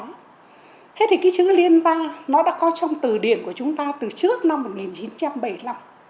thế thì cái chữ liên danh nó đã có trong từ điển của chúng ta từ trước năm một nghìn chín trăm bảy mươi năm